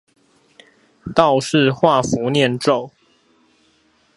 道士畫符唸咒